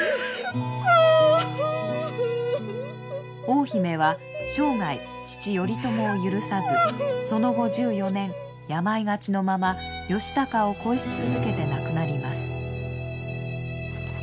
大姫は生涯父頼朝を許さずその後１４年病がちのまま義高を恋し続けて亡くなります。